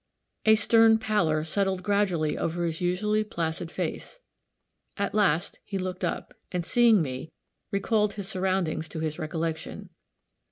A stern pallor settled gradually over his usually placid face; at last he looked up, and seeing me, recalled his surroundings to his recollection.